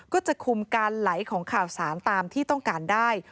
ก็จะคุมการไหลของข่าวสารตามที่ต้องการได้